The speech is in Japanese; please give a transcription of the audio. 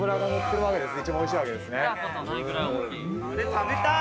・食べたい！